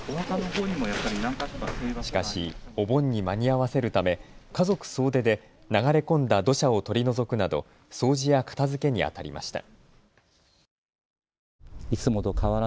しかし、お盆に間に合わせるため家族総出で流れ込んだ土砂を取り除くなど掃除や片づけにあたりました。